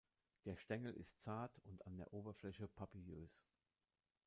Der Stängel ist zart und an der Oberfläche papillös.